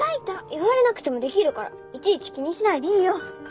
言われなくてもできるからいちいち気にしないでいいよ。